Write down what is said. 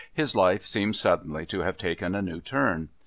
His life seemed suddenly to have taken a new turn.